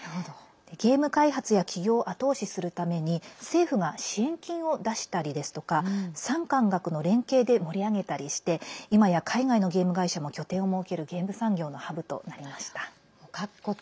ゲーム開発や起業を後押しするために政府が支援金を出したりですとか産官学の連携で盛り上げたりしていまや海外のゲーム会社も拠点を設けるゲーム産業のハブとなりました。